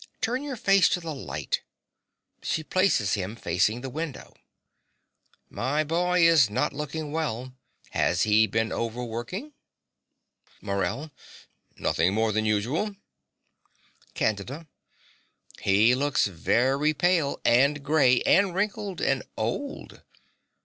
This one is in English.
Turn your face to the light. (She places him facing the window.) My boy is not looking well. Has he been overworking? MORELL. Nothing more than usual. CANDIDA. He looks very pale, and grey, and wrinkled, and old.